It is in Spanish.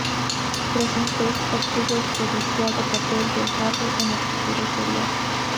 Tras un test, obtuvo el codiciado papel de Harry en el futuro serial.